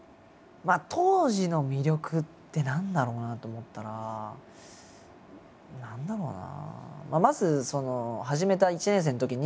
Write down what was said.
当時の魅力って何だろうなと思ったら何だろうな。